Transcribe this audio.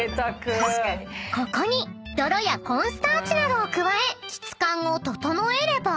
［ここに泥やコンスターチなどを加え質感を調えれば］